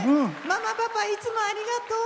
ママ、パパ、いつもありがとう。